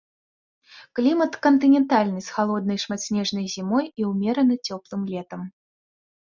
Клімат кантынентальны, з халоднай, шматснежнай зімой і ўмерана цёплым летам.